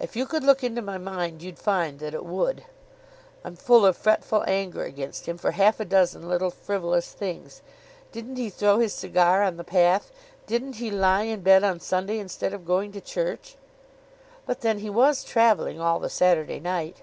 "If you could look into my mind you'd find that it would. I'm full of fretful anger against him for half a dozen little frivolous things. Didn't he throw his cigar on the path? Didn't he lie in bed on Sunday instead of going to church?" "But then he was travelling all the Saturday night."